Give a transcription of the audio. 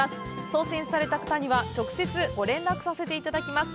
当せんされた方には、直接ご連絡させていただきます。